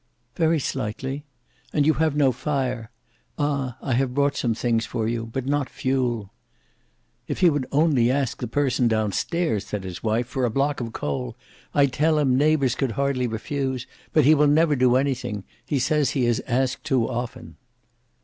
"Very slightly. And you have no fire. Ah! I have brought some things for you, but not fuel." "If he would only ask the person down stairs," said his wife, "for a block of coal; I tell him, neighbours could hardly refuse; but he never will do anything; he says he has asked too often."